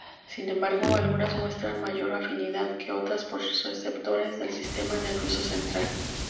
Sin embargo, algunas muestran mayor afinidad que otras por receptores del sistema nervioso central.